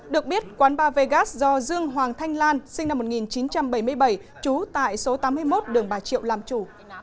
được biết quán ba vegas do dương hoàng thanh lan sinh năm một nghìn chín trăm bảy mươi bảy trú tại số tám mươi một đường bà triệu làm chủ